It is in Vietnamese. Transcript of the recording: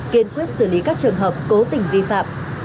kiên quyết xử lý các trường hợp cố tình vi phạm